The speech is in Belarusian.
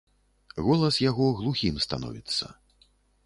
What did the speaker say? Голас яго глухім становіцца.